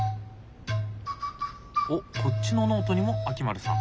おっこっちのノートにも秋丸さん。